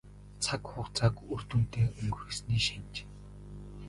Цаг хугацааг үр дүнтэй өнгөрөөсний шинж.